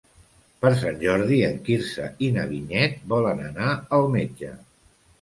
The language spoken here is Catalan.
Per Sant Jordi en Quirze i na Vinyet volen anar al metge.